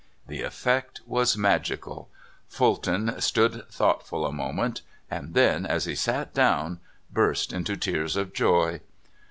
The effect was magical. Fulton stood thought ful a moment, and then, as he sat down, burst into tears of joy.